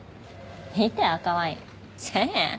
見て赤ワイン１０００円？